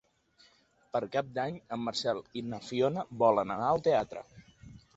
Per Cap d'Any en Marcel i na Fiona volen anar al teatre.